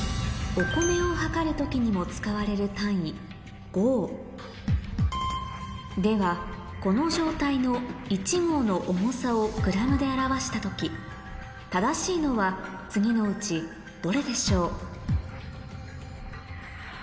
お米を量る時にも使われる単位ではこの状態の１合の重さを「ｇ」で表した時正しいのは次のうちどれでしょう？